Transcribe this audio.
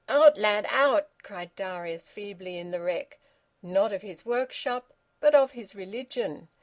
"Out! Lad! Out!" cried Darius feebly, in the wreck, not of his workshop, but of his religion.